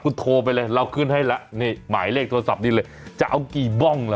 คุณโทรไปเลยเราขึ้นให้แล้วนี่หมายเลขโทรศัพท์นี้เลยจะเอากี่บ้องล่ะ